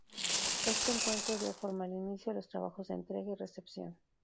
Este encuentro dio formal inicio a los trabajos de entrega y recepción.